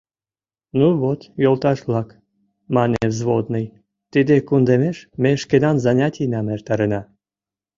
— Ну вот, йолташ-влак, — мане взводный, — тиде кундемеш ме шкенан занятийнам эртарена.